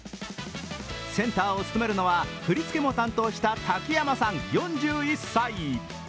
センターを務めるのは振り付けも担当した滝山さん４１歳。